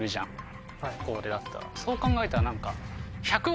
そう考えたら何か。